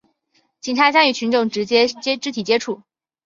警察将与群众直接肢体接触